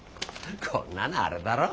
こんなのあれだろ。